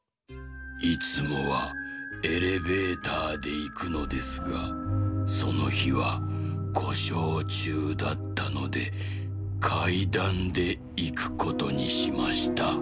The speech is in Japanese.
「いつもはエレベーターでいくのですがそのひはこしょうちゅうだったのでかいだんでいくことにしました。